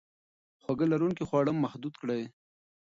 خواږه لرونکي خواړه محدود کړئ.